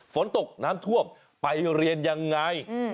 ฝนตกน้ำท่วมไปเรียนยังไง